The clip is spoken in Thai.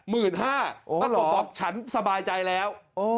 ปรากฏบอกฉันสบายใจแล้ว